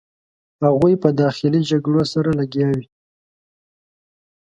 هغوی په داخلي جګړو سره لګیا وې.